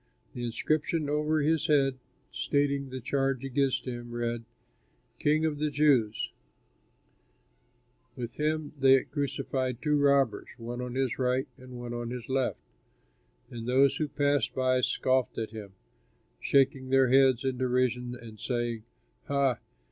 The inscription over his head stating the charge against him read: THE KING OF THE JEWS With him they crucified two robbers, one on his right and one on his left. And those who passed by scoffed at him, shaking their heads in derision and saying, "Ha!